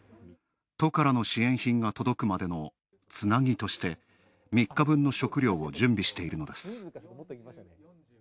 都からの支援品が届くまでのつなぎとして３日分の食材を準備しているのです。